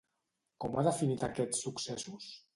Com ha definit aquests successos?